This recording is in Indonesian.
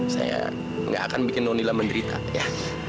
saya enggak akan bikin nona menderita ya